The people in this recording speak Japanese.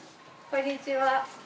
こんにちは。